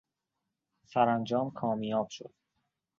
سرانجام کامیاب شد.